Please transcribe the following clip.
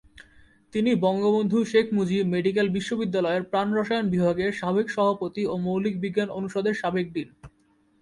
তিনি বঙ্গবন্ধু শেখ মুজিব মেডিকেল বিশ্ববিদ্যালয়ের প্রাণরসায়ন বিভাগের সাবেক সভাপতি ও মৌলিক বিজ্ঞান অনুষদের সাবেক ডিন।